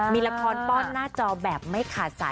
มีละครป้อนหน้าจอแบบไม่ขาดสาย